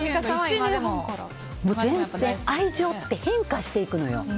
愛情って変化していくのよ。